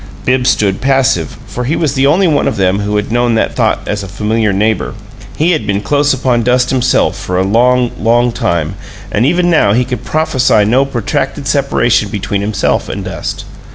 Bibbs stood passive, for he was the only one of them who had known that thought as a familiar neighbor; he had been close upon dust himself for a long, long time, and even now he could prophesy no protracted separation between himself and dust.